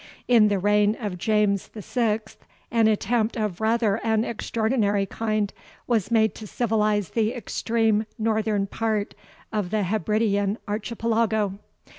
[In the reign of James VI., an attempt of rather an extraordinary kind was made to civilize the extreme northern part of the Hebridean Archipelago.